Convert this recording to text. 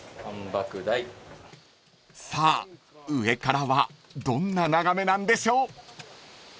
［さあ上からはどんな眺めなんでしょう］